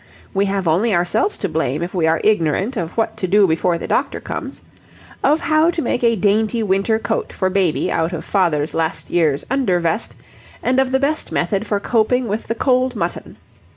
We have only ourselves to blame if we are ignorant of what to do before the doctor comes, of how to make a dainty winter coat for baby out of father's last year's under vest and of the best method of coping with the cold mutton.